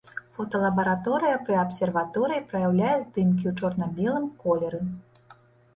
Фоталабараторыя пры абсерваторыі праяўляе здымкі ў чорна-белым колеры.